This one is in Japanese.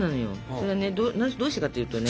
それはどうしてかというとね。